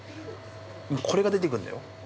これが出てくるんだよ。